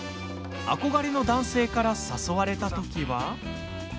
憧れの男性から誘われた時は。